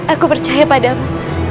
aku percaya padamu